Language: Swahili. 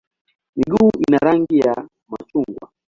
Miguu ina rangi ya machungwa.